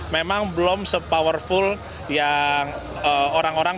memang belum se powerful yang orang orang